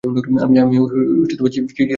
আমি চির উন্নত শির!